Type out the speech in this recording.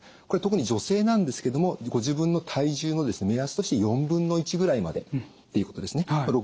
これ特に女性なんですけどもご自分の体重の目安として1/4ぐらいまでということですね。